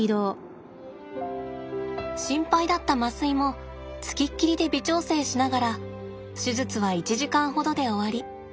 心配だった麻酔も付きっきりで微調整しながら手術は１時間ほどで終わり。